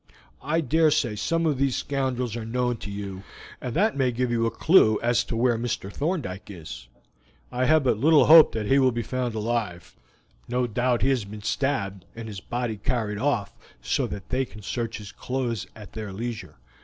I dare say some of these scoundrels are known to you, and that may give you a clew as to where Mr. Thorndyke is. "I have but little hope that he will be found alive; no doubt he has been stabbed and his body carried off so that they can search his clothes at their leisure.